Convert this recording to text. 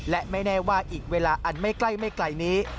และไม่แน่ว่าอีกเวลาอันไม่ใกล้ไม่ไกลนี้